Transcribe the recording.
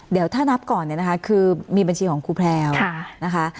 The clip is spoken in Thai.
เดี๋ยวถ้านับก่อนเนี่ยนะคะคือมีบัญชีของครูแพลวนะคะ